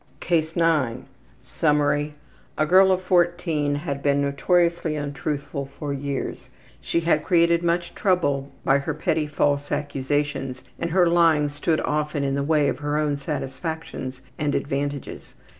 CASE 9 Summary: A girl of 14 had been notoriously untruthful for years. She had created much trouble by her petty false accusations, and her lying stood often in the way of her own satisfactions and advantages.